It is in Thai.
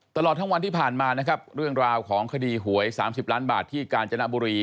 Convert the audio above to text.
ตลอดทั้งวันที่ผ่านมานะครับเรื่องราวของคดีหวย๓๐ล้านบาทที่กาญจนบุรี